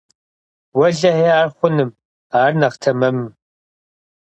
Уэлэхьи ар хъуным, ар нэхъ тэмэмым.